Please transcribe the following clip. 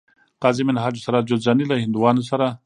قاضي منهاج سراج جوزجاني له هندوانو سره